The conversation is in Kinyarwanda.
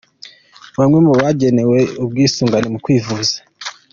Bamwe mu bagenewe ubwisungane mu kwivuza.